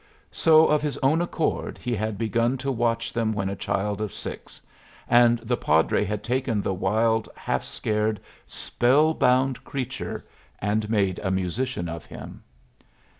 So of his own accord he had begun to watch them when a child of six; and the padre had taken the wild, half scared, spellbound creature and made a musician of him.